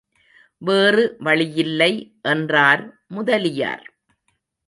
வேறு வழியில்லை என்றார் முதலியார்.